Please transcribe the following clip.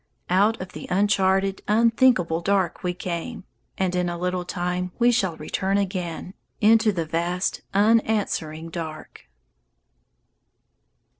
_Out of the uncharted, unthinkable dark we came, And in a little time we shall return again Into the vast, unanswering dark.